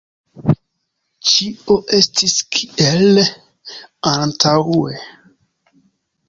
Ĉio estis kiel antaŭe.